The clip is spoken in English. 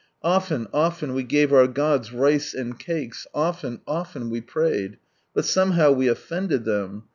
" Often, often we gave our gods rice and cakes, often, often we prayed ; but somehow we offended them.